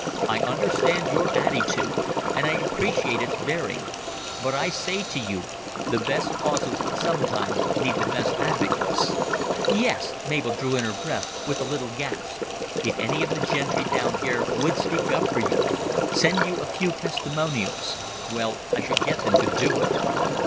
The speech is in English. I understand your attitude, and I appreciate its bearing; but I say to you, the best causes sometimes need the best advocates." "Yes!" Mavis drew in her breath with a little gasp. "If any of the gentry down here would speak up for you, send you a few testimonials well, I should get them to do it.